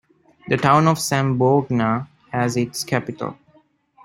The town of Zamboanga as its capital.